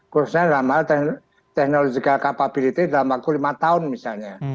khususnya dalam hal technological capability dalam waktu lima tahun misalnya